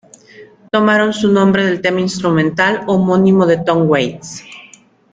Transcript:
Tomaron su nombre del tema instrumental homónimo de Tom Waits.